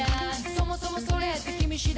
「そもそもそれって君次第だし」